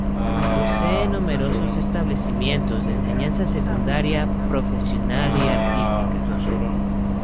Posee numerosos establecimientos de enseñanza secundaria, profesional y artística.